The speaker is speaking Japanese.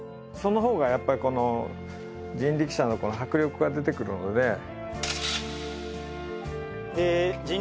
そのほうがやっぱりこの人力車の迫力が出てくるので。